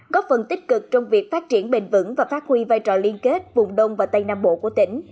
góp phần tích cực trong việc phát triển bền vững và phát huy vai trò liên kết vùng đông và tây nam bộ của tỉnh